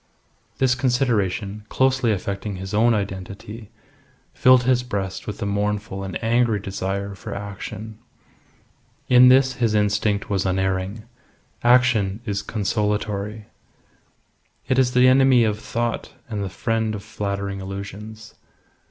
This consideration, closely affecting his own identity, filled his breast with a mournful and angry desire for action. In this his instinct was unerring. Action is consolatory. It is the enemy of thought and the friend of flattering illusions.